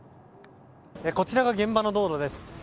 こちらが現場の道路です。